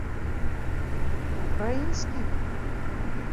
Украинский!